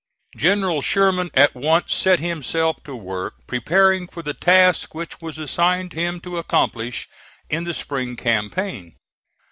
General Sherman at once set himself to work preparing for the task which was assigned him to accomplish in the spring campaign.